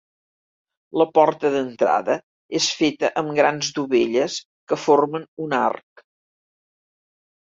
La porta d'entrada és feta amb grans dovelles que formen un arc.